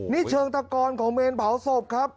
นี่เชิงตะกอนของเมนเผาศพครับ